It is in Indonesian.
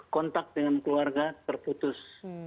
kontak dengan keluarga terputus